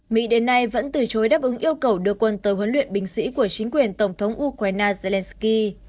mỹ đến nay vẫn từ chối đáp ứng yêu cầu đưa quân tới huấn luyện binh sĩ của chính quyền tổng thống ukraine zelensky